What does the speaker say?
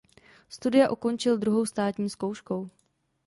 Studia ukončil druhou státní zkouškou.